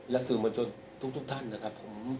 และสื่อบริษัททุกท่านนะครับ